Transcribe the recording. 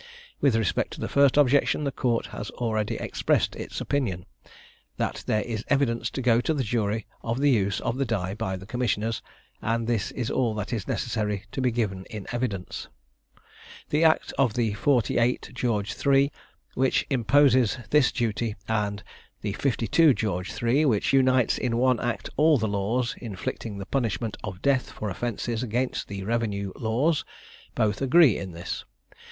With respect to the first objection the court has already expressed its opinion, that there is evidence to go to the jury of the use of the die by the commissioners, and this is all that is necessary to be given in evidence. The Act of the 48 George III., which imposes this duty, and the 52 George III., which unites in one act all the laws inflicting the punishment of death for offences against the revenue laws, both agree in this.